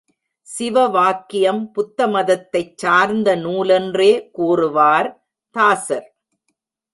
சிவவாக்கியம் புத்த மதத்தைச் சார்ந்த நூலென்றே கூறுவார் தாசர்.